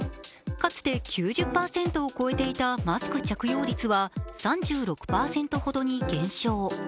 かつて９０％を超えていたマスク着用率は３６％ほどに減少。